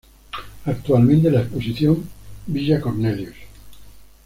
Actualmente la exposición 'Villa Cornelius.